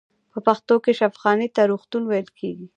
په پښتو کې شفاخانې ته روغتون ویل کیږی.